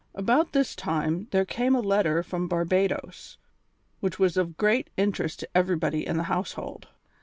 About this time there came a letter from Barbadoes, which was of great interest to everybody in the household.